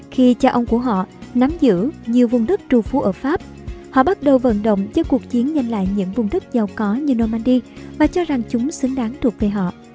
khi cha ông của họ nắm giữ nhiều vùng đất trù phú ở pháp họ bắt đầu vận động cho cuộc chiến nhanh lại những vùng đất giàu có như normandy mà cho rằng chúng xứng đáng thuộc về họ